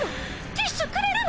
ティッシュくれるの！？